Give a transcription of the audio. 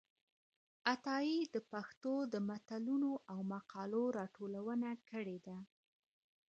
عطايي د پښتو د متلونو او مقالو راټولونه کړې ده.